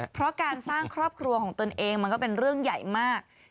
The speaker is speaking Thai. เพราะการสร้างครอบครัวของตนเองมันก็เป็นเรื่องใหญ่มาก